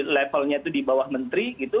levelnya itu di bawah menteri gitu